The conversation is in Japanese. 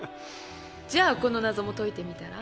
じゃあこの謎も解いてみたら？